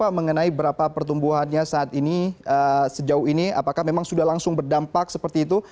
mengenai berapa pertumbuhannya saat ini sejauh ini apakah memang sudah langsung berdampak seperti itu